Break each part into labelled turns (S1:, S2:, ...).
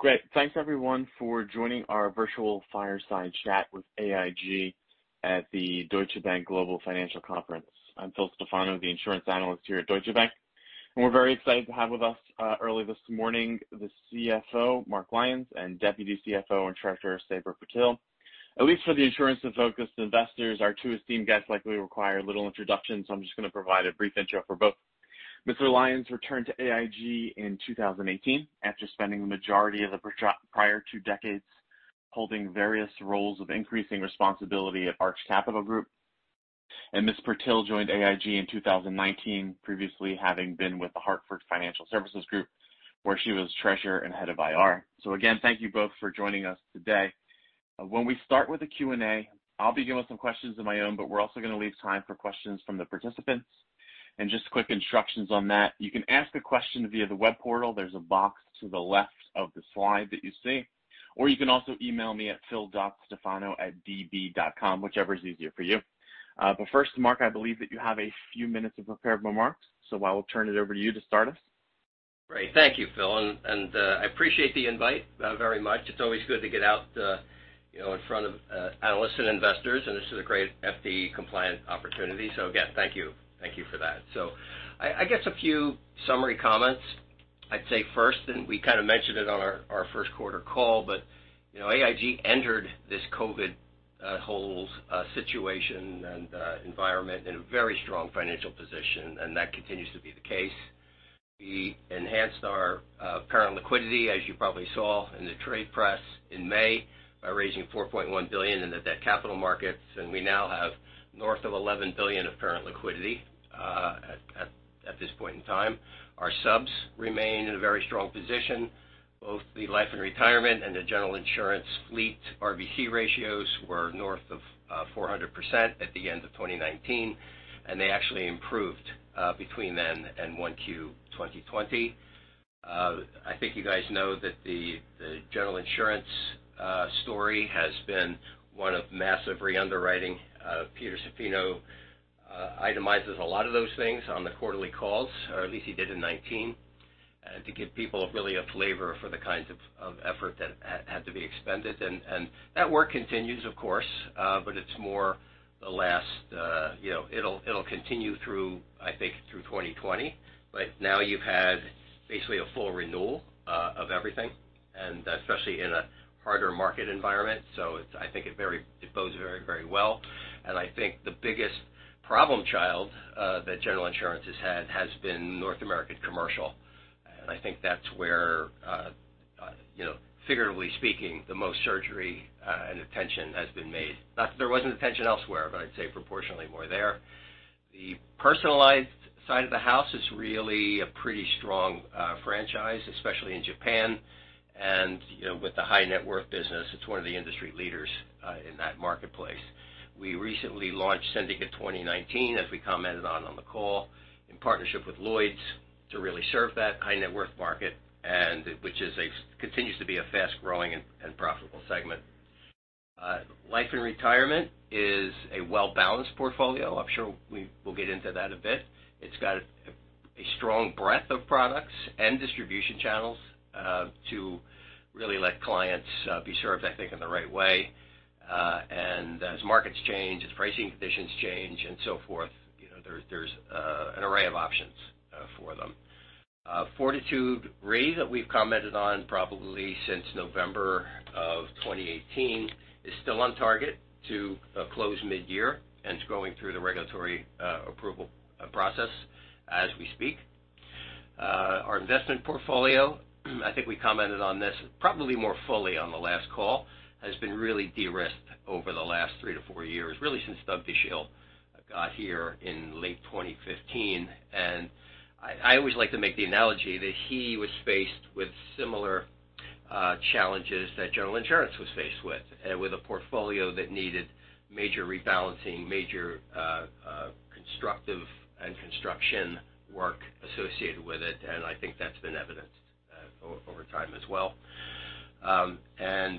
S1: Great. Thanks everyone for joining our virtual fireside chat with AIG at the Deutsche Bank Global Financial Conference. I'm Phil Stefano, the insurance analyst here at Deutsche Bank. We're very excited to have with us early this morning the CFO, Mark Lyons, and Deputy CFO and Treasurer, Sabra Purtill. At least for the insurance and focus investors, our two esteemed guests likely require a little introduction. I'm just going to provide a brief intro for both. Mr. Lyons returned to AIG in 2018 after spending the majority of the prior two decades holding various roles of increasing responsibility at Arch Capital Group. Ms. Purtill joined AIG in 2019, previously having been with The Hartford Financial Services Group, where she was treasurer and head of IR. Again, thank you both for joining us today. When we start with the Q&A, I'll begin with some questions of my own. We're also going to leave time for questions from the participants. Just quick instructions on that, you can ask a question via the web portal. There's a box to the left of the slide that you see. You can also email me at phil.stefano@db.com, whichever is easier for you. First, Mark, I believe that you have a few minutes of prepared remarks. I will turn it over to you to start us.
S2: Great. Thank you, Phil. I appreciate the invite very much. It's always good to get out in front of analysts and investors. This is a great FD compliant opportunity. Again, thank you for that. I guess a few summary comments. I'd say first, we kind of mentioned it on our first quarter call. AIG entered this COVID whole situation and environment in a very strong financial position. That continues to be the case. We enhanced our parent liquidity, as you probably saw in the trade press in May, by raising $4.1 billion in the debt capital markets. We now have north of $11 billion of parent liquidity at this point in time. Our subs remain in a very strong position. Both the Life & Retirement and the General Insurance fleet RBC ratios were north of 400% at the end of 2019. They actually improved between then and 1Q 2020. I think you guys know that the General Insurance story has been one of massive re-underwriting. Peter Zaffino itemizes a lot of those things on the quarterly calls, or at least he did in 2019, to give people really a flavor for the kinds of effort that had to be expended. That work continues, of course. It'll continue through, I think, 2020. Now you've had basically a full renewal of everything, especially in a harder market environment. I think it bodes very well. I think the biggest problem child that General Insurance has had has been North America Commercial. I think that's where, figuratively speaking, the most surgery and attention has been made. Not that there wasn't attention elsewhere, but I'd say proportionately more there. The personalized side of the house is really a pretty strong franchise, especially in Japan and with the high net worth business, it's one of the industry leaders in that marketplace. We recently launched Syndicate 2019, as we commented on the call, in partnership with Lloyd's to really serve that high net worth market, which continues to be a fast-growing and profitable segment. Life & Retirement is a well-balanced portfolio. I'm sure we will get into that a bit. It's got a strong breadth of products and distribution channels to really let clients be served, I think, in the right way. As markets change, as pricing conditions change and so forth, there's an array of options for them. Fortitude Re that we've commented on probably since November of 2018 is still on target to close mid-year and is going through the regulatory approval process as we speak. Our investment portfolio, I think we commented on this probably more fully on the last call, has been really de-risked over the last three to four years, really since Doug Dachille got here in late 2015. I always like to make the analogy that he was faced with similar challenges that General Insurance was faced with a portfolio that needed major rebalancing, major constructive and construction work associated with it, and I think that's been evidenced over time as well.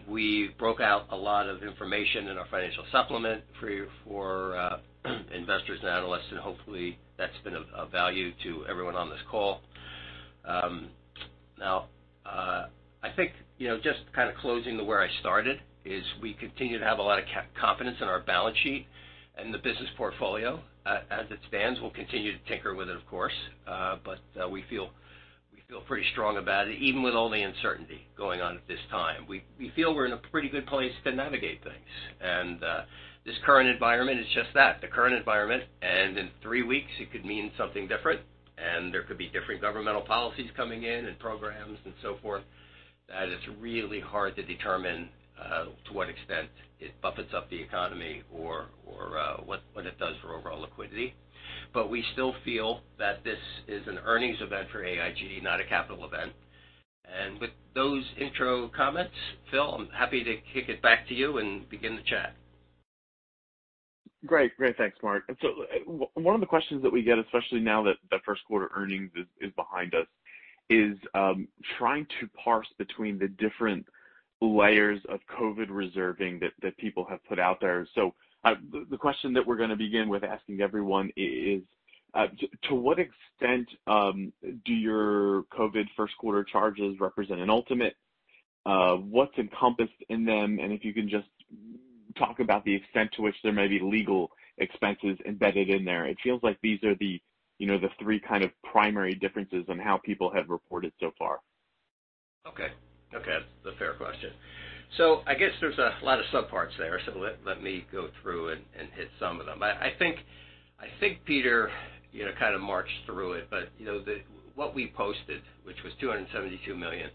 S2: We broke out a lot of information in our financial supplement for investors and analysts, and hopefully that's been of value to everyone on this call. I think just kind of closing to where I started is we continue to have a lot of confidence in our balance sheet and the business portfolio. As it stands, we'll continue to tinker with it, of course, but we feel pretty strong about it, even with all the uncertainty going on at this time. We feel we're in a pretty good place to navigate things. This current environment is just that, the current environment. In three weeks it could mean something different, and there could be different governmental policies coming in and programs and so forth, that it's really hard to determine to what extent it buffets up the economy or what it does for overall liquidity. We still feel that this is an earnings event for AIG, not a capital event. With those intro comments, Phil, I'm happy to kick it back to you and begin the chat.
S1: Great. Thanks, Mark. One of the questions that we get, especially now that the first quarter earnings is behind us, is trying to parse between the different layers of COVID reserving that people have put out there. The question that we're going to begin with asking everyone is, to what extent do your COVID first quarter charges represent an ultimate? What's encompassed in them? If you can just talk about the extent to which there may be legal expenses embedded in there. It feels like these are the three kind of primary differences on how people have reported so far.
S2: Okay. That's a fair question. I guess there's a lot of subparts there, so let me go through and hit some of them. I think Peter kind of marched through it, but what we posted, which was $272 million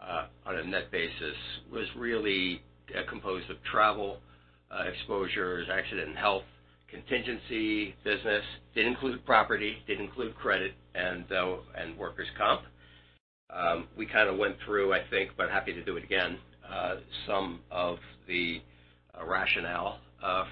S2: on a net basis, was really composed of travel exposures, accident and health, contingency business. It didn't include property, didn't include credit, and workers' comp. We kind of went through, I think, but happy to do it again, some of the rationale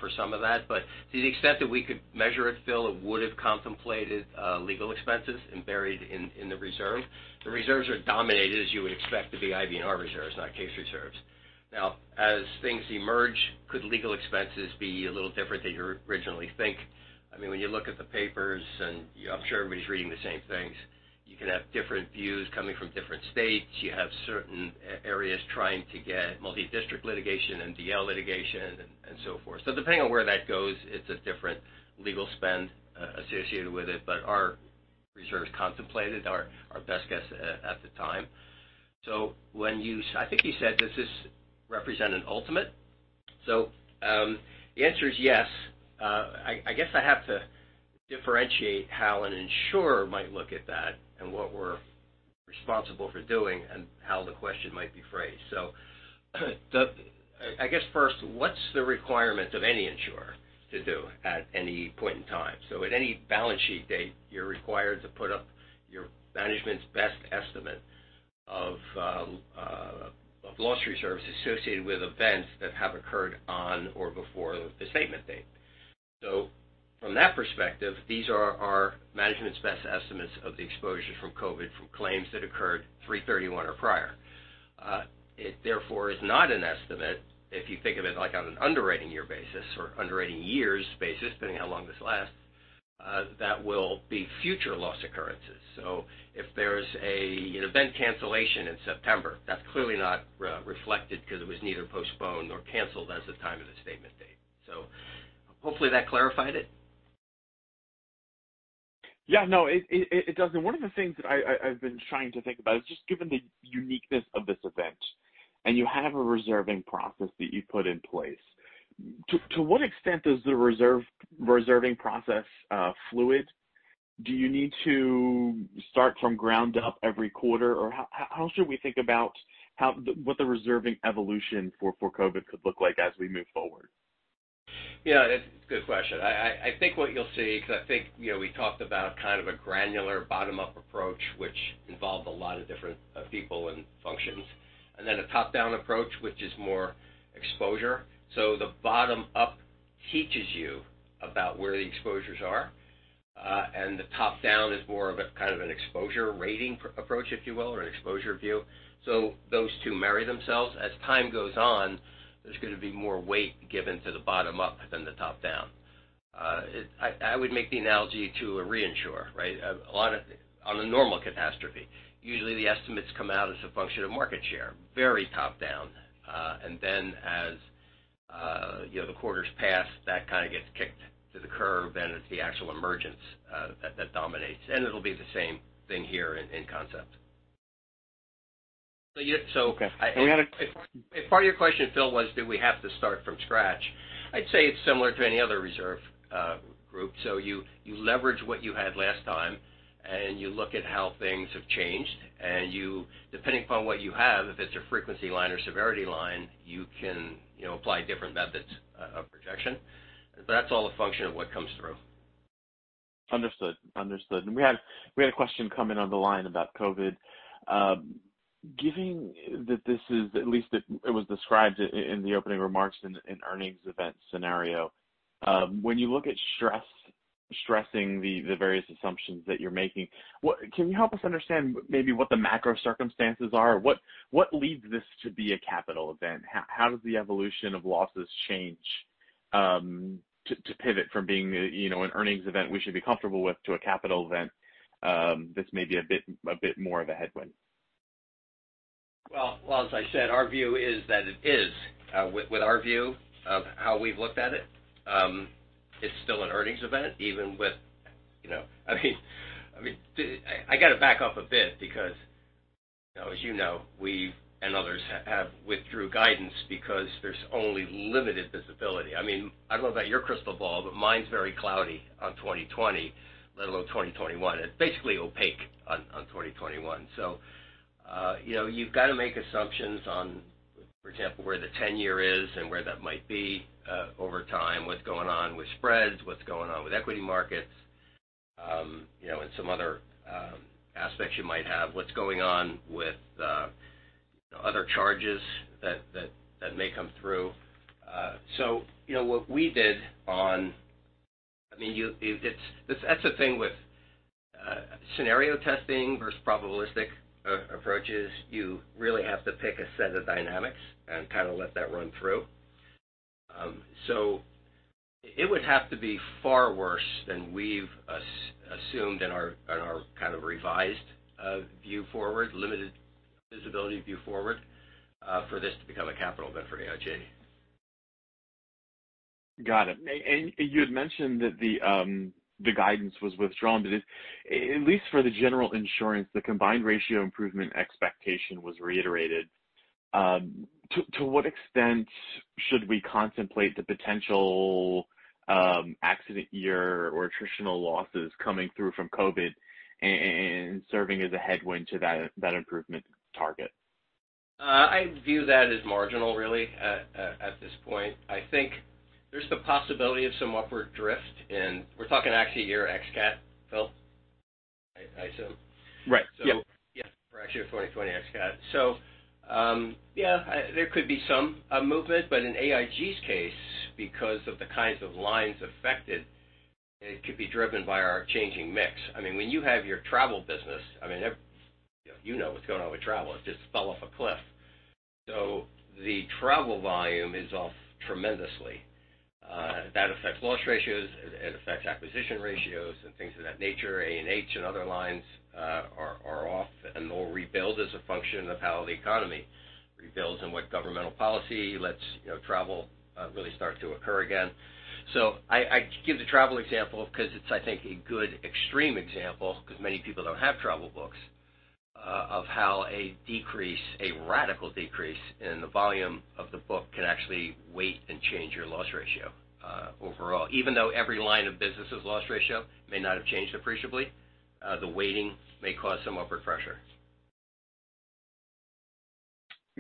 S2: for some of that. To the extent that we could measure it, Phil, it would've contemplated legal expenses embedded in the reserve. The reserves are dominated, as you would expect, to be IBNR reserves, not case reserves. As things emerge, could legal expenses be a little different than you originally think? When you look at the papers, I'm sure everybody's reading the same things, you can have different views coming from different states. You have certain areas trying to get multi-district litigation, MDL litigation, and so forth. Depending on where that goes, it's a different legal spend associated with it, but our reserves contemplated our best guess at the time. I think you said, does this represent an ultimate? The answer is yes. I guess I have to differentiate how an insurer might look at that and what we're responsible for doing and how the question might be phrased. I guess first, what's the requirement of any insurer to do at any point in time? At any balance sheet date, you're required to put up your management's best estimate of loss reserves associated with events that have occurred on or before the statement date. From that perspective, these are our management's best estimates of the exposure from COVID from claims that occurred 3/31 or prior. It therefore is not an estimate, if you think of it like on an underwriting year basis or underwriting years basis, depending on how long this lasts, that will be future loss occurrences. If there's an event cancellation in September, that's clearly not reflected because it was neither postponed or canceled as of the time of the statement date. Hopefully that clarified it.
S1: Yeah, no, it does. One of the things that I've been trying to think about is just given the uniqueness of this event, and you have a reserving process that you've put in place, to what extent is the reserving process fluid? Do you need to start from ground up every quarter? Or how should we think about what the reserving evolution for COVID could look like as we move forward?
S2: Yeah, it's a good question. I think what you'll see, because we talked about kind of a granular bottom-up approach, which involved a lot of different people and functions, then a top-down approach, which is more exposure. The bottom up teaches you about where the exposures are. The top-down is more of a kind of an exposure rating approach, if you will, or an exposure view. Those two marry themselves. As time goes on, there's going to be more weight given to the bottom up than the top down. I would make the analogy to a reinsurer, right? On a normal catastrophe, usually the estimates come out as a function of market share, very top-down. Then as the quarters pass, that kind of gets kicked to the curb, then it's the actual emergence that dominates. It'll be the same thing here in concept.
S1: Okay.
S2: If part of your question, Phil Stefano, was, do we have to start from scratch? I'd say it's similar to any other reserve group. You leverage what you had last time, and you look at how things have changed, and depending upon what you have, if it's a frequency line or severity line, you can apply different methods of projection. That's all a function of what comes through.
S1: Understood. We had a question come in on the line about COVID. Given that this is, at least it was described in the opening remarks in earnings event scenario, when you look at stressing the various assumptions that you're making, can you help us understand maybe what the macro circumstances are? What leads this to be a capital event? How does the evolution of losses change to pivot from being an earnings event we should be comfortable with to a capital event that's maybe a bit more of a headwind?
S2: Well, as I said, our view is that it is. With our view of how we've looked at it's still an earnings event, even with I got to back up a bit because, as you know, we and others withdrew guidance because there's only limited visibility. I don't know about your crystal ball, but mine's very cloudy on 2020, let alone 2021. It's basically opaque on 2021. You've got to make assumptions on, for example, where the 10-year is and where that might be over time, what's going on with spreads, what's going on with equity markets, and some other aspects you might have. What's going on with other charges that may come through. That's the thing with scenario testing versus probabilistic approaches. You really have to pick a set of dynamics and let that run through. It would have to be far worse than we've assumed in our revised view forward, limited visibility view forward, for this to become a capital event for AIG.
S1: Got it. You had mentioned that the guidance was withdrawn, but at least for the General Insurance, the combined ratio improvement expectation was reiterated. To what extent should we contemplate the potential accident year or attritional losses coming through from COVID and serving as a headwind to that improvement target?
S2: I view that as marginal really at this point. I think there's the possibility of some upward drift. We're talking accident year ex cat, Phil, I assume?
S1: Right. Yep.
S2: For accident of 2020 ex cat. There could be some movement, but in AIG's case, because of the kinds of lines affected, it could be driven by our changing mix. When you have your travel business, you know what's going on with travel. It just fell off a cliff. The travel volume is off tremendously. That affects loss ratios, it affects acquisition ratios and things of that nature. A&H and other lines are off and they'll rebuild as a function of how the economy rebuilds and what governmental policy lets travel really start to occur again. I give the travel example because it's, I think, a good extreme example, because many people don't have travel books, of how a radical decrease in the volume of the book can actually weight and change your loss ratio overall. Even though every line of business' loss ratio may not have changed appreciably, the weighting may cause some upward pressure.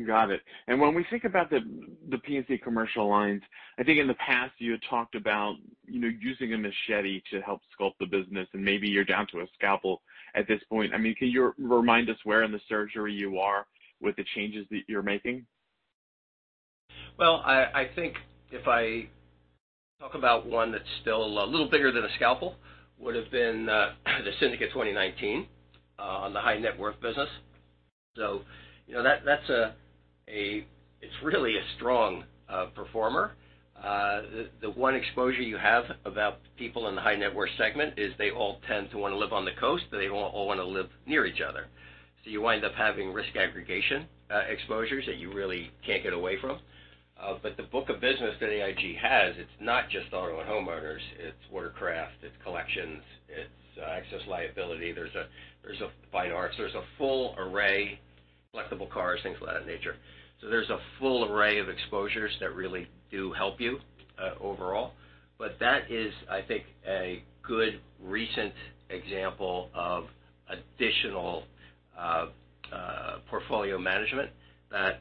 S1: Got it. When we think about the P&C commercial lines, I think in the past you had talked about using a machete to help sculpt the business, and maybe you're down to a scalpel at this point. Can you remind us where in the surgery you are with the changes that you're making?
S2: I think if I talk about one that's still a little bigger than a scalpel, would've been the Syndicate 2019 on the high net worth business. It's really a strong performer. The one exposure you have about people in the high net worth segment is they all tend to want to live on the coast, and they all want to live near each other. You wind up having risk aggregation exposures that you really can't get away from. The book of business that AIG has, it's not just auto and homeowners, it's watercraft, it's collections, it's excess liability. There's fine arts. There's a full array. Collectible cars, things of that nature. There's a full array of exposures that really do help you overall. That is, I think, a good recent example of additional portfolio management that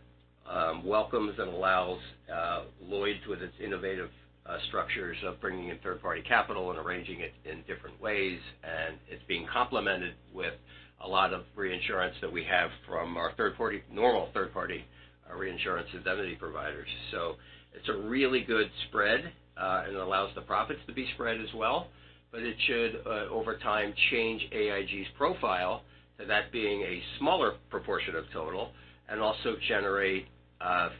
S2: welcomes and allows Lloyd's with its innovative structures of bringing in third-party capital and arranging it in different ways, and it's being complemented with a lot of reinsurance that we have from our normal third-party reinsurance indemnity providers. It's a really good spread, and it allows the profits to be spread as well. It should, over time, change AIG's profile to that being a smaller proportion of total and also generate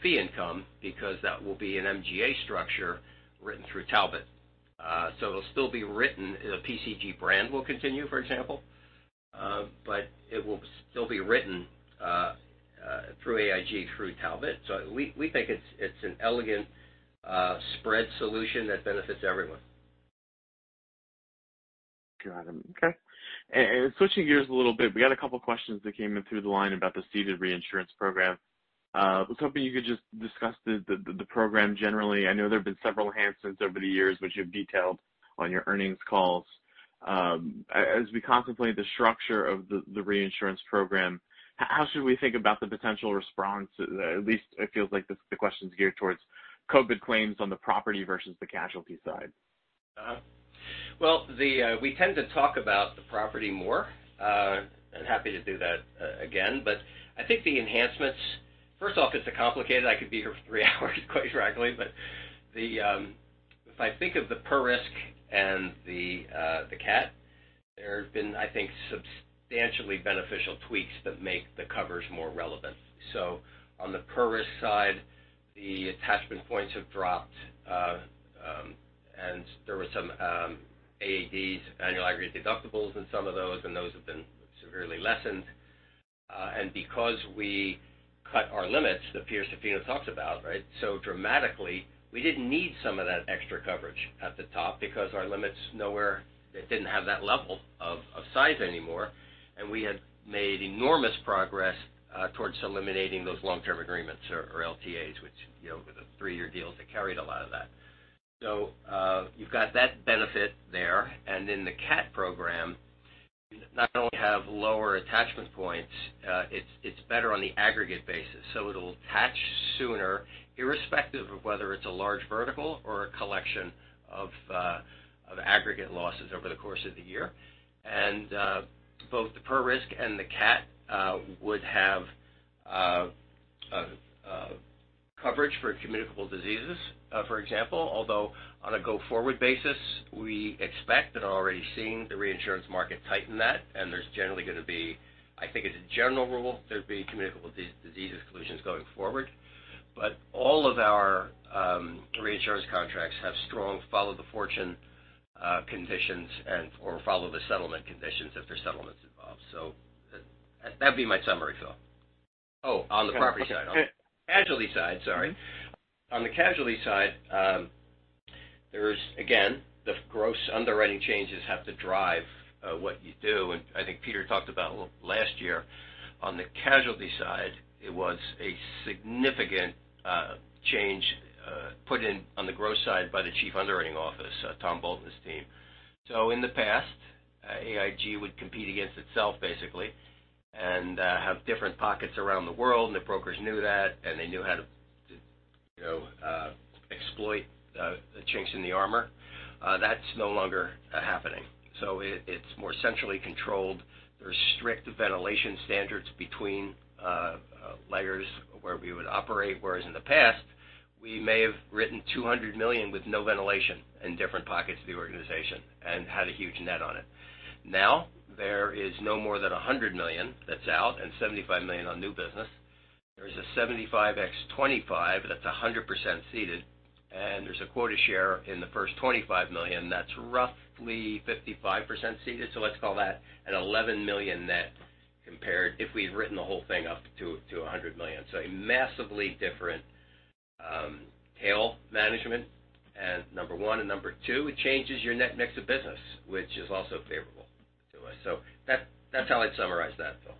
S2: fee income because that will be an MGA structure written through Talbot. It'll still be written, the PCG brand will continue, for example, but it will still be written through AIG through Talbot. We think it's an elegant spread solution that benefits everyone.
S1: Got it. Okay. Switching gears a little bit, we got a couple questions that came in through the line about the ceded reinsurance program. I was hoping you could just discuss the program generally. I know there have been several enhancements over the years, which you've detailed on your earnings calls. As we contemplate the structure of the reinsurance program, how should we think about the potential response? At least it feels like the question's geared towards COVID claims on the property versus the casualty side.
S2: Well, we tend to talk about the property more. I'm happy to do that again. I think the enhancements, first off, it's complicated. I could be here for 3 hours quite frankly, but if I think of the per risk and the cat, there have been, I think, substantially beneficial tweaks that make the covers more relevant. On the per risk side, the attachment points have dropped. There were some AADs, Annual Aggregate Deductibles in some of those, and those have been severely lessened. Because we cut our limits, that Peter Zaffino talked about, so dramatically, we didn't need some of that extra coverage at the top because our limits didn't have that level of size anymore. We had made enormous progress towards eliminating those Long-Term Agreements or LTAs, which were the 3-year deals that carried a lot of that. You've got that benefit there. In the cat program, you not only have lower attachment points it's better on the aggregate basis, so it'll attach sooner irrespective of whether it's a large vertical or a collection of aggregate losses over the course of the year. Both the per risk and the cat would have coverage for communicable diseases, for example, although on a go-forward basis, we expect and are already seeing the reinsurance market tighten that and there's generally going to be, I think as a general rule, there'd be communicable disease exclusions going forward. All of our reinsurance contracts have strong follow the fortunes conditions and/or follow the settlements conditions if there's settlements involved. That'd be my summary, Phil. Oh, on the property side. Casualty side, sorry. On the casualty side, there's again, the gross underwriting changes have to drive what you do, and I think Peter talked about a little last year, on the casualty side, it was a significant change put in on the gross side by the Chief Underwriting Officer, Tom Bolt's team. In the past, AIG would compete against itself basically, and have different pockets around the world, and the brokers knew that, and they knew how to exploit the chinks in the armor. That's no longer happening. It's more centrally controlled. There's strict ventilation standards between layers where we would operate, whereas in the past, we may have written $200 million with no ventilation in different pockets of the organization and had a huge net on it. Now there is no more than $100 million that's out and $75 million on new business. There is a 75x25 that's 100% ceded, and there's a quota share in the first $25 million that's roughly 55% ceded. Let's call that an $11 million net compared if we'd written the whole thing up to $100 million. A massively different tail management and number one, and number two, it changes your net mix of business, which is also favorable to us. That's how I'd summarize that, Phil.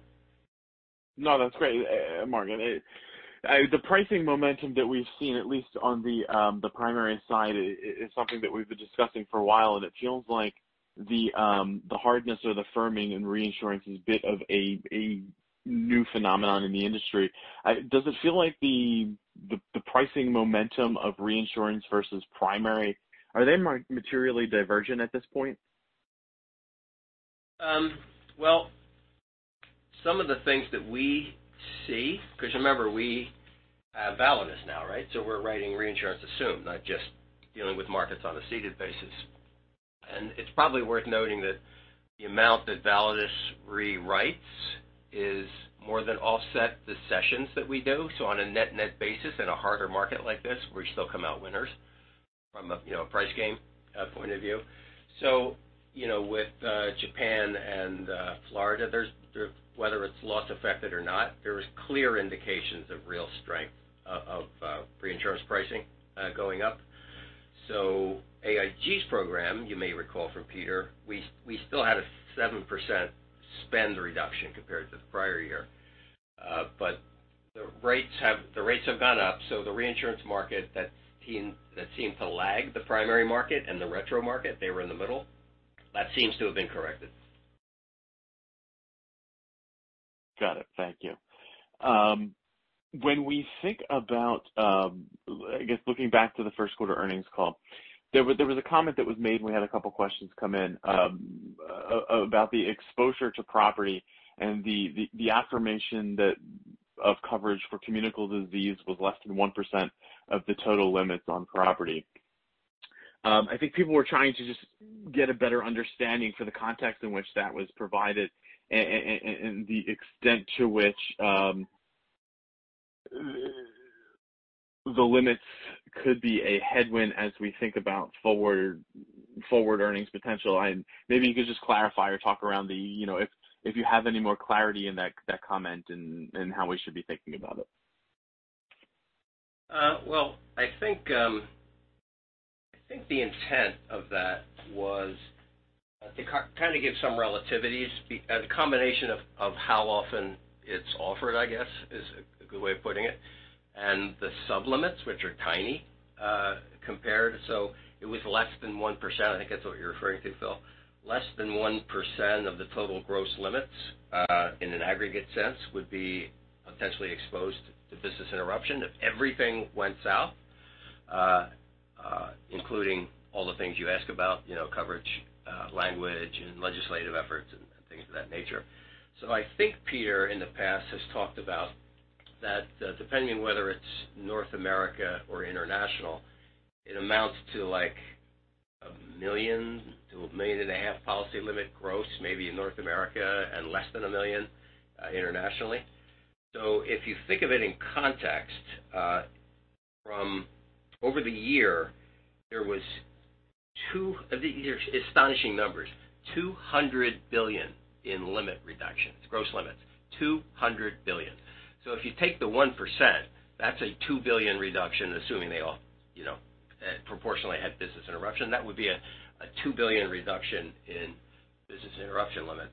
S1: No, that's great, Mark. The pricing momentum that we've seen, at least on the primary side, is something that we've been discussing for a while, it feels like the hardness or the firming in reinsurance is a bit of a new phenomenon in the industry. Does it feel like the pricing momentum of reinsurance versus primary, are they materially divergent at this point?
S2: Well, some of the things that we see, because remember, we have Validus now, right? We're writing reinsurance assumed, not just dealing with markets on a ceded basis. It's probably worth noting that the amount that Validus rewrites is more than offset the sessions that we do. On a net basis in a harder market like this, we still come out winners from a price game point of view. With Japan and Florida, whether it's loss affected or not, there is clear indications of real strength of reinsurance pricing going up. AIG's program, you may recall from Peter, we still had a 7% spend reduction compared to the prior year. The rates have gone up. The reinsurance market that seemed to lag the primary market and the retro market, they were in the middle, that seems to have been corrected.
S1: Got it. Thank you. When we think about, I guess looking back to the first quarter earnings call, there was a comment that was made when we had a couple of questions come in about the exposure to property and the affirmation of coverage for communicable disease was less than 1% of the total limits on property. I think people were trying to just get a better understanding for the context in which that was provided and the extent to which the limits could be a headwind as we think about forward earnings potential. Maybe you could just clarify or talk around if you have any more clarity in that comment and how we should be thinking about it.
S2: Well, I think the intent of that was to kind of give some relativities. A combination of how often it's offered, I guess, is a good way of putting it, and the sub-limits, which are tiny compared. It was less than 1%, I think that's what you're referring to, Phil. Less than 1% of the total gross limits, in an aggregate sense, would be potentially exposed to business interruption if everything went south, including all the things you ask about, coverage, language, and legislative efforts, and things of that nature. I think Peter, in the past, has talked about that depending on whether it's North America or international, it amounts to like $1 million to $1.5 million policy limit gross, maybe in North America, and less than $1 million internationally. If you think of it in context, from over the year, These are astonishing numbers, $200 billion in limit reductions, gross limits, $200 billion. If you take the 1%, that's a $2 billion reduction, assuming they all proportionally had business interruption. That would be a $2 billion reduction in business interruption limits.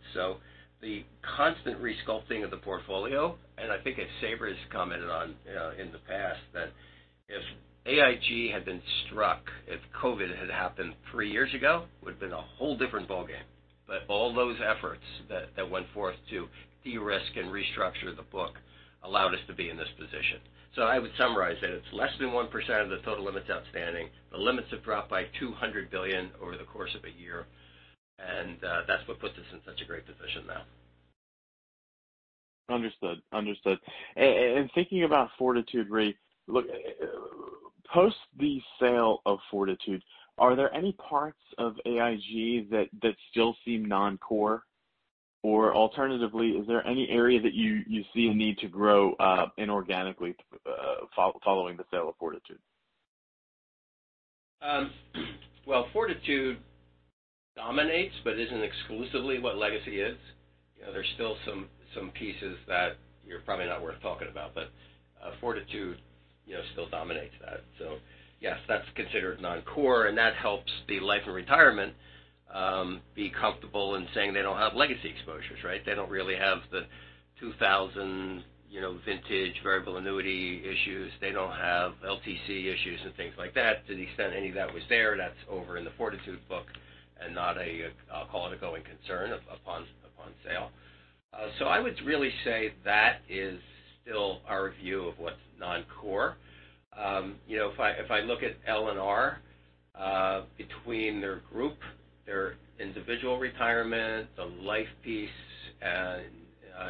S2: The constant resculpting of the portfolio, and I think as Sabra's commented on in the past, that if AIG had been struck, if COVID had happened three years ago, would've been a whole different ballgame. All those efforts that went forth to de-risk and restructure the book allowed us to be in this position. I would summarize that it's less than 1% of the total limits outstanding. The limits have dropped by $200 billion over the course of a year, and that's what puts us in such a great position now.
S1: Understood. Thinking about Fortitude Re, post the sale of Fortitude, are there any parts of AIG that still seem non-core? Alternatively, is there any area that you see a need to grow inorganically following the sale of Fortitude?
S2: Fortitude dominates but isn't exclusively what legacy is. There's still some pieces that you're probably not worth talking about, but Fortitude still dominates that. Yes, that's considered non-core, and that helps the Life & Retirement be comfortable in saying they don't have legacy exposures, right? They don't really have the 2000 vintage variable annuity issues. They don't have LTC issues and things like that. To the extent any of that was there, that's over in the Fortitude book and not a, I'll call it, a going concern upon sale. I would really say that is still our view of what's non-core. If I look at L&R, between their group, their individual retirement, the life piece and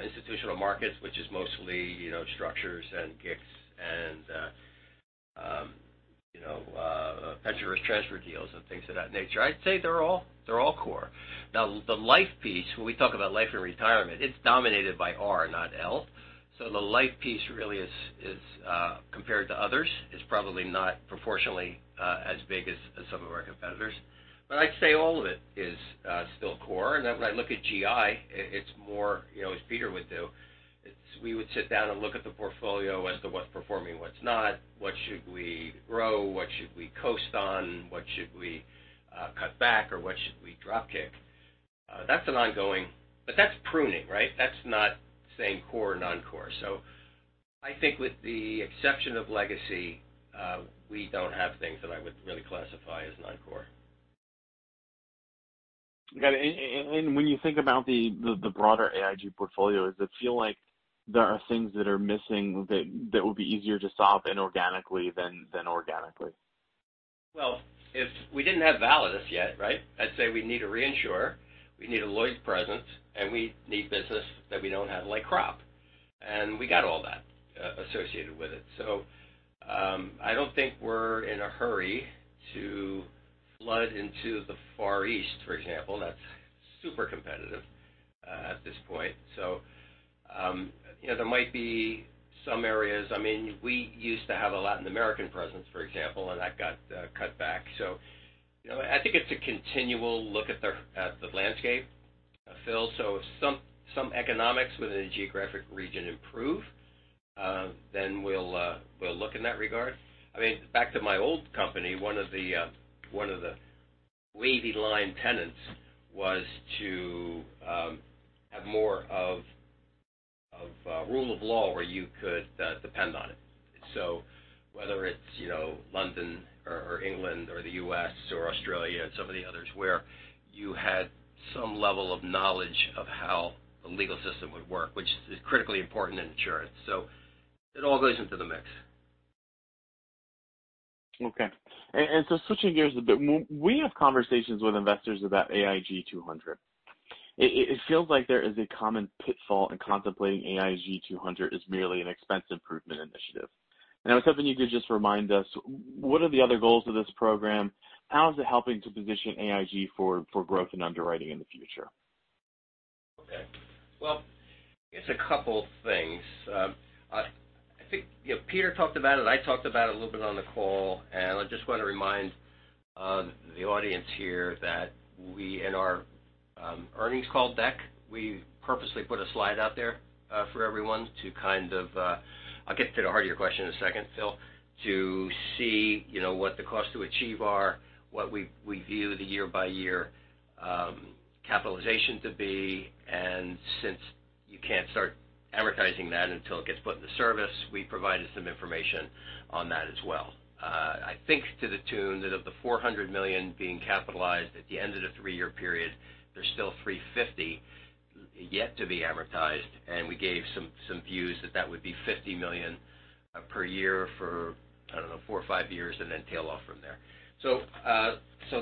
S2: institutional markets, which is mostly structures and GICs and pension risk transfer deals and things of that nature, I'd say they're all core. The life piece, when we talk about Life & Retirement, it's dominated by R, not L. The life piece really, compared to others, is probably not proportionately as big as some of our competitors. I'd say all of it is still core. When I look at GI, it's more, as Peter would do, we would sit down and look at the portfolio as to what's performing, what's not, what should we grow, what should we coast on, what should we cut back, or what should we dropkick? That's pruning, right? That's not saying core or non-core. I think with the exception of legacy, we don't have things that I would really classify as non-core.
S1: Got it. When you think about the broader AIG portfolio, does it feel like there are things that are missing that would be easier to solve inorganically than organically?
S2: If we didn't have Validus yet, right? I'd say we need a reinsurer, we need a Lloyd's presence, and we need business that we don't have, like crop. We got all that associated with it. I don't think we're in a hurry to flood into the Far East, for example. That's super competitive at this point. There might be some areas. We used to have a Latin American presence, for example, and that got cut back. I think it's a continual look at the landscape, Phil. If some economics within a geographic region improve, then we'll look in that regard. Back to my old company, one of the wavy line tenets was to have more of rule of law where you could depend on it. whether it's London or England or the U.S. or Australia and some of the others where you had some level of knowledge of how the legal system would work, which is critically important in insurance. It all goes into the mix.
S1: Okay. Switching gears a bit, we have conversations with investors about AIG 200. It feels like there is a common pitfall in contemplating AIG 200 as merely an expense improvement initiative. I was hoping you could just remind us, what are the other goals of this program? How is it helping to position AIG for growth and underwriting in the future?
S2: Okay. Well, it's a couple things. I think Peter talked about it, I talked about it a little bit on the call, I just want to remind the audience here that we, in our earnings call deck, we purposely put a slide out there for everyone to kind of, I'll get to the heart of your question in a second, Phil, to see what the cost to achieve are, what we view the year-by-year capitalization to be. Since you can't start amortizing that until it gets put into service, we provided some information on that as well. I think to the tune that of the $400 million being capitalized at the end of the three-year period, there's still $350 yet to be amortized, and we gave some views that that would be $50 million per year for, I don't know, four or five years, and then tail off from there.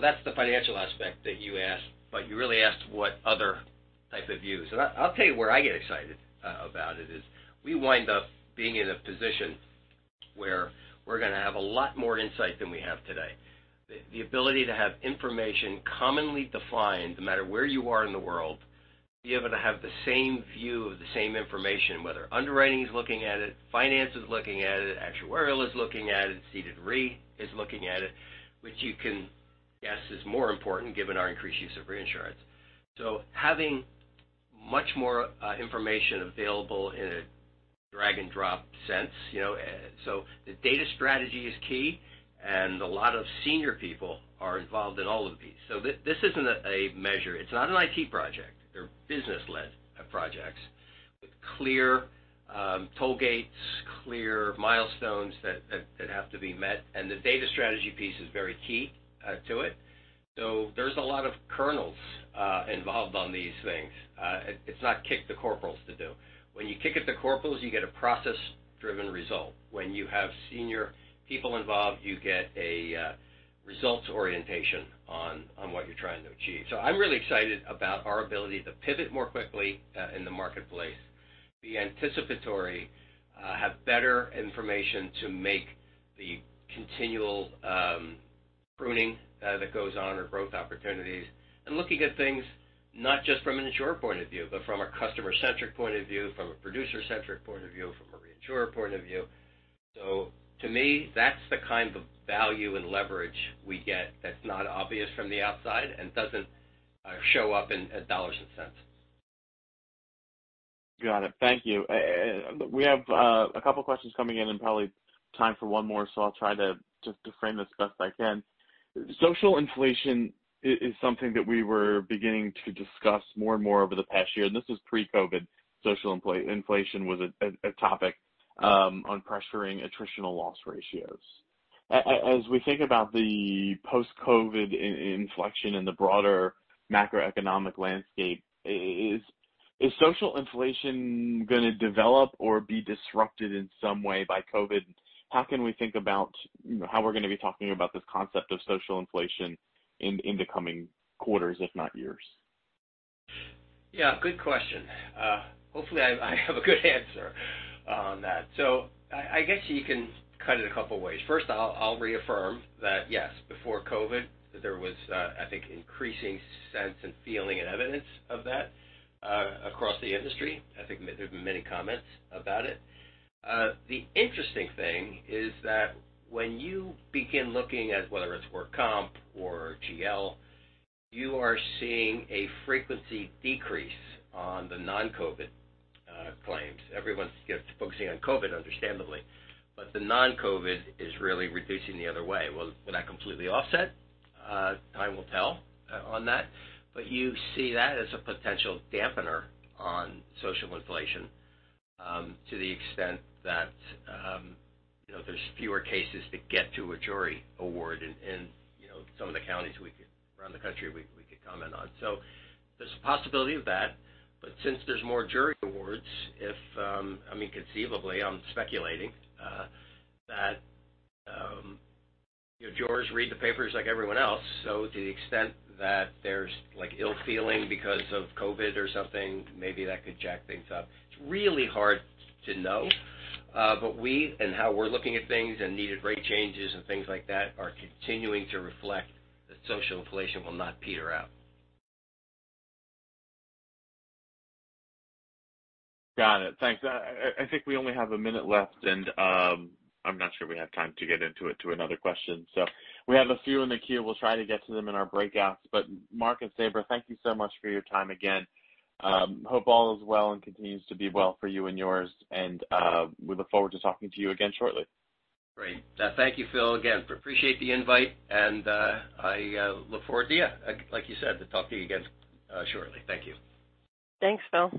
S2: That's the financial aspect that you asked, but you really asked what other type of views. I'll tell you where I get excited about it is we wind up being in a position where we're gonna have a lot more insight than we have today. The ability to have information commonly defined no matter where you are in the world, be able to have the same view of the same information, whether underwriting is looking at it, finance is looking at it, actuarial is looking at it, ceded Re is looking at it, which you can guess is more important given our increased use of reinsurance. Having much more information available in a drag and drop sense. The data strategy is key, and a lot of senior people are involved in all of these. This isn't a measure. It's not an IT project. They're business-led projects with clear toll gates, clear milestones that have to be met, and the data strategy piece is very key to it. There's a lot of colonels involved on these things. It's not kick the corporals to do. When you kick it to corporals, you get a process-driven result. When you have senior people involved, you get a results orientation on what you're trying to achieve. I'm really excited about our ability to pivot more quickly, in the marketplace, be anticipatory, have better information to make the continual pruning that goes on or growth opportunities, and looking at things not just from an insurer point of view, but from a customer-centric point of view, from a producer-centric point of view, from a reinsurer point of view. To me, that's the kind of value and leverage we get that's not obvious from the outside and doesn't show up in dollars and cents.
S1: Got it. Thank you. We have a couple of questions coming in and probably time for one more, so I'll try to just frame this as best I can. Social inflation is something that we were beginning to discuss more and more over the past year, and this was pre-COVID. Social inflation was a topic on pressuring attritional loss ratios. As we think about the post-COVID inflection in the broader macroeconomic landscape, is Social inflation going to develop or be disrupted in some way by COVID? How can we think about how we're going to be talking about this concept of Social inflation in the coming quarters, if not years?
S2: Yeah, good question. Hopefully, I have a good answer on that. I guess you can cut it a couple of ways. First, I'll reaffirm that, yes, before COVID, there was, I think, increasing sense and feeling and evidence of that across the industry. I think there's been many comments about it. The interesting thing is that when you begin looking at whether it's workers' comp or GL, you are seeing a frequency decrease on the non-COVID claims. Everyone's focusing on COVID, understandably, but the non-COVID is really reducing the other way. Will that completely offset? Time will tell on that. You see that as a potential dampener on Social inflation to the extent that there's fewer cases to get to a jury award in some of the counties around the country we could comment on. There's a possibility of that. Since there's more jury awards, conceivably, I'm speculating, that jurors read the papers like everyone else, so to the extent that there's ill feeling because of COVID or something, maybe that could jack things up. It's really hard to know. We, in how we're looking at things and needed rate changes and things like that, are continuing to reflect that social inflation will not peter out.
S1: Got it. Thanks. I think we only have a minute left, and I'm not sure we have time to get into another question. We have a few in the queue. We'll try to get to them in our breakouts. Mark and Sabra, thank you so much for your time again. Hope all is well and continues to be well for you and yours, and we look forward to talking to you again shortly.
S2: Great. Thank you, Phil. Again, appreciate the invite, and I look forward to, like you said, to talk to you again shortly. Thank you.
S3: Thanks, Phil